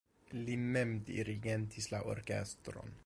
Li mem dirigentis la orkestron.